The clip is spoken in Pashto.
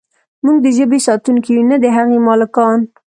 موږ د ژبې ساتونکي یو نه د هغې مالکان.